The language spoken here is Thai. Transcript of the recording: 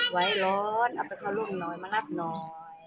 ไว้ร้อนเอาไปเข้าร่วมหน่อยมารับหน่อย